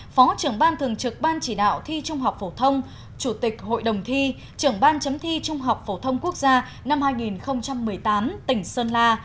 phó trưởng ban thường trực ban chỉ đạo thi trung học phổ thông chủ tịch hội đồng thi trưởng ban chấm thi trung học phổ thông quốc gia năm hai nghìn một mươi tám tỉnh sơn la